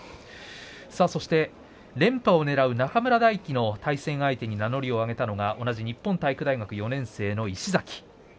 そして連覇をねらう中村泰輝の対戦相手に名乗りを上げたのは同じ日本体育大学４年生の石崎。